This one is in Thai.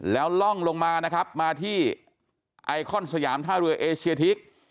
แล้วล่องลงมานะครับมาที่ไอคอนสยามท่าเรือเอเชียทิก